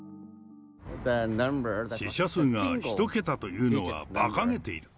死者数が１桁というのはばかげている。